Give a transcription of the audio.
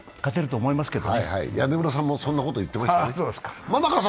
はいはい、屋根裏さんもそんなこと言ってましたね。